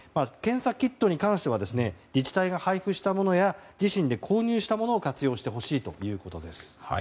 検査キットに関しては自治体が配布したものや自身で購入したものを活用してほしいということです。